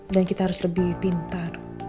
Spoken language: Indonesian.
kita harus lebih pintar